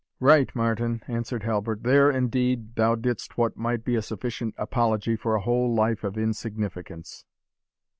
"Right, Martin," answered Halbert; "there, indeed, thou didst what might be a sufficient apology for a whole life of insignificance."